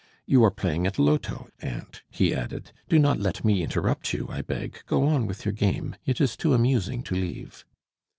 You are playing at loto, aunt," he added. "Do not let me interrupt you, I beg; go on with your game: it is too amusing to leave."